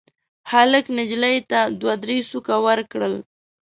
هلک نجلۍ ته دوه درې سوکه ورکړل.